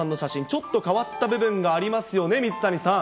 ちょっと変わった部分がありますよね、水谷さん。